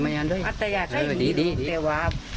เป็นผู้เสบ